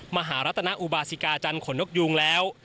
มหารัตนอุบาสิกาจันทนนกยูงแล้ว